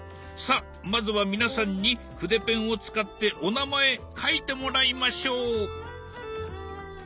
さあまずは皆さんに筆ペンを使ってお名前書いてもらいましょう。